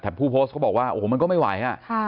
แต่ผู้โพสต์เขาบอกว่าโอ้โหมันก็ไม่ไหว